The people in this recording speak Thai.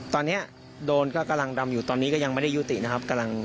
ตอนนี้โดนก็กำลังดำอยู่ตอนนี้ก็ยังไม่ได้ยุตินะครับ